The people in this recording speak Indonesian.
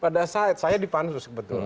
pada saat saya dipansuh sebetulnya